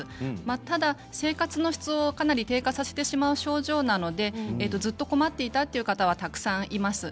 ただ生活の質をかなり低下させてしまう症状なのでずっと困っていたという方はたくさんいます。